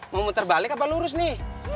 mau muter balik apa lurus nih